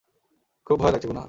খুব ভয় লাগছে, গুনা।